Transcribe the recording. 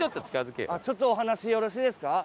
ちょっとお話よろしいですか？